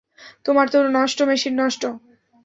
তোমারতো নষ্ট মেশিন, নষ্ট।